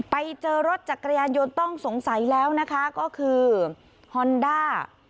ไปเจอรถจักรยานยนต์ต้องสงสัยแล้วนะคะก็คือฮอนด้า